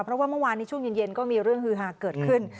เพราะว่าเมื่อวานในช่วงเย็นก็มีเรื่องฮือฮาเกิดขึ้น